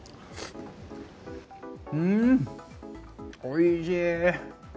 うーん、おいしい。